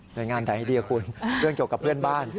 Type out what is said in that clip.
โดยงานไหนดีคุณเรื่องเกี่ยวกับเพื่อนบ้าน